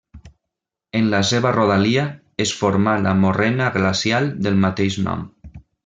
En la seva rodalia es formà la morrena glacial del mateix nom.